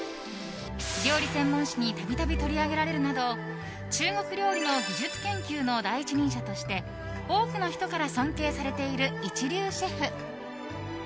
料理専門誌に度々取り上げられるなど中国料理の技術研究の第一人者として多くの人から尊敬されている一流シェフ。